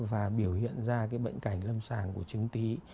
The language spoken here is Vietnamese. và biểu hiện ra cái bệnh cảnh lâm sàng của chứng tí